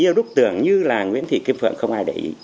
eo đúc tưởng như là nguyễn thị kim phượng không ai để ý